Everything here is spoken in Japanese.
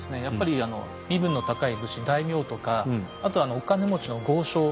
やっぱり身分の高い武士大名とかあとはお金持ちの豪商